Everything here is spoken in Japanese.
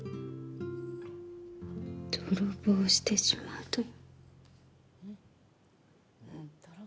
泥棒してしまうとよ。